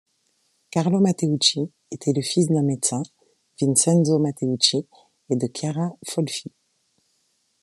Carlo Matteucci était le fils d'un médecin, Vincenzo Matteucci, et de Chiara Folfi.